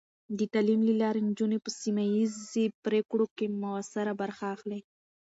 د تعلیم له لارې، نجونې په سیمه ایزې پرېکړو کې مؤثره برخه اخلي.